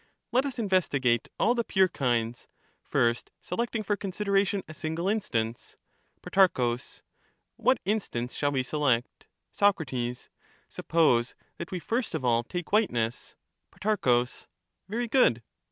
Let us investigate all the pure kinds ; first selecting c^^f ^^ for consideration a single instance. panson. Pro. What instance shall we select ? 53 Soc. Suppose that we first of all take whiteness. Pro. Very good.